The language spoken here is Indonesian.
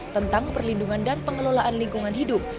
tentang perlindungan dan pengelolaan lingkungan hidup